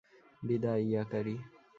বিদায়, ইয়াকারি।